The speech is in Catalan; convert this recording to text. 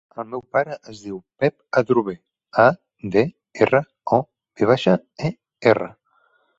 El meu pare es diu Pep Adrover: a, de, erra, o, ve baixa, e, erra.